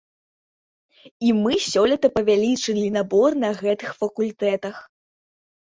І мы сёлета павялічылі набор на гэтых факультэтах.